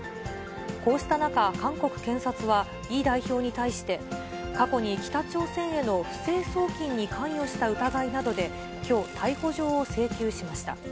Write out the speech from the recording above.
こうした中、韓国検察はイ代表に対して、過去に北朝鮮への不正送金に関与した疑いなどできょう、逮捕状を請求しました。